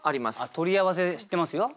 取り合わせ知ってますよ。